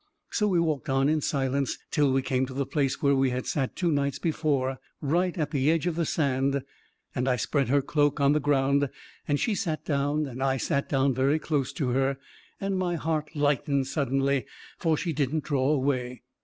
So we walked on in silence till we came to the place where we had sat two nights before, right at the edge of the sand; and I spread her cloak on the ground, and she sat down, and I sat down very close to her, and my heart lightened suddenly, for she didn't draw away.